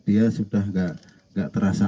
dia sudah tidak terasa